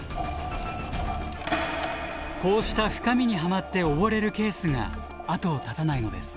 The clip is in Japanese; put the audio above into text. こうした深みにはまって溺れるケースが後を絶たないのです。